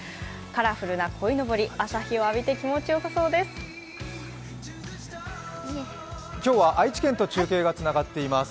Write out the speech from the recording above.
カラフルなこいのぼり、朝日を浴びて気持ちよさそうです。